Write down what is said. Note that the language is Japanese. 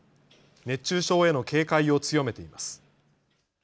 熱中症への警戒を強めています。